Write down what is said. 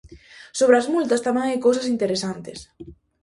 Sobre as multas tamén hai cousas interesantes.